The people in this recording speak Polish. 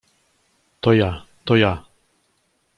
"To ja, to ja!"